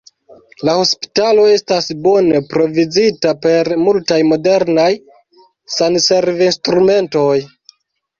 La hospitalo estas bone provizita per multaj modernaj sanservinstrumentoj.